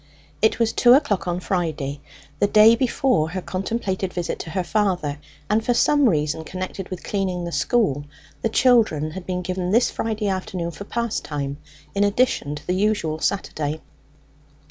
It was two o'clock on Friday, the day before her contemplated visit to her father, and for some reason connected with cleaning the school the children had been given this Friday afternoon for pastime, in addition to the usual Saturday.